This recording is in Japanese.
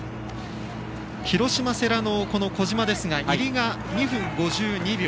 広島、世羅の小島ですが入りが２分５２秒。